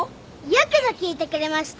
よくぞ聞いてくれました。